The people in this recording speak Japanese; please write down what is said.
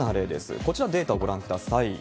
こちらデータご覧ください。